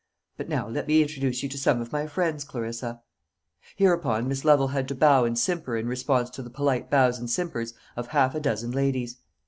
But now let me introduce you to some of my friends, Clarissa." Hereupon Miss Lovel had to bow and simper in response to the polite bows and simpers of half a dozen ladies.